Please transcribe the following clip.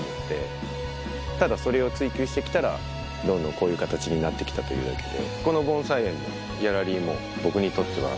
ただそれを追求してきたらどんどんこういう形になってきたというだけで。